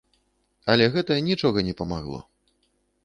Але гэта нічога не памагло.